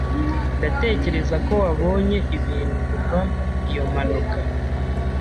Ndatekereza ko wabonye ibintu kuva iyo mpanuka.